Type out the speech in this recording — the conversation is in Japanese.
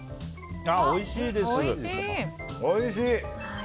おいしいです。